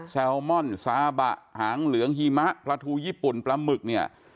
แซลมอนซาบะหางเหลืองหิมะปลาทูญี่ปุ่นปลาหมึกเนี่ย